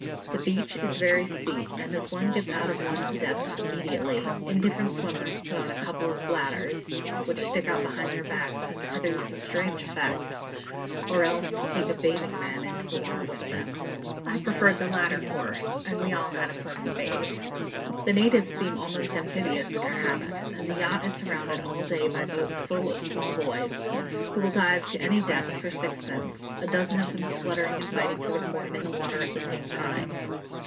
The beach is very steep; and as one gets out of one's depth immediately, indifferent swimmers put on a couple of bladders which stick out behind their backs and produce a strange effect or else take a bathing man into the water with them. I preferred the latter course; and we all had a pleasant bathe. [Illustration: Fish Carrier] The natives seem almost amphibious in their habits, and the yacht is surrounded all day by boats full of small boys, who will dive to any depth for sixpence, a dozen of them spluttering and fighting for the coin in the water at the same time.